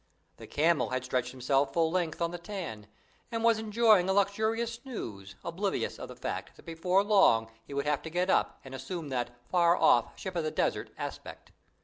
The camel had stretched himself full length on the tan, and was enjoying a luxurious snooze, oblivious of the fact that before long he would have to get up and assume that far off ship of the desert aspect.